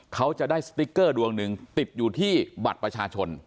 เขาจะได้สติ๊กเกอร์ดวงหนึ่งติดอยู่ที่บัตรประชาชน